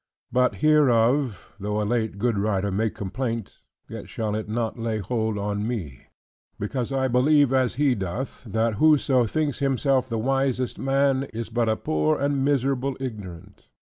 But hereof, though a late good writer make complaint, yet shall it not lay hold on me, because I believe as he doth; that who so thinks himself the wisest man, is but a poor and miserable ignorant.